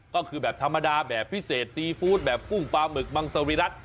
ก็คือแบบธรรมดาแบบพิเศษซีฟู้ดแบบกุ้งปลาหมึกมังสวิรัติ